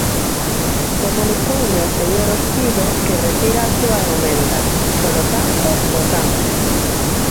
Comunicoume o señor Ospido que retira a súa emenda; polo tanto, votamos.